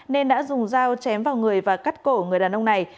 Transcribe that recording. nên đã dùng dao chém vào người và cắt cổ người đàn ông này